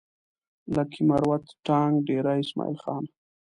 لکي مروت ټانک ډېره اسماعيل خان